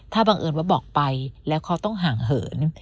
ถ้าบังเอิญว่าบอกไปแล้วเขาต้องห่างเหิน